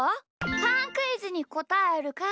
パンクイズにこたえるか